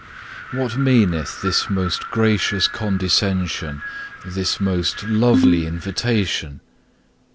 3. What meaneth this most gracious condescension, this most lovely invitation?